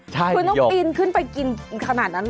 ใช่ต้องกินขึ้นไปกินที่นั่นเลย